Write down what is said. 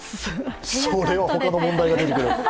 それは他の問題が出てくる。